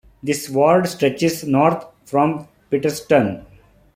This ward stretches north from Peterston.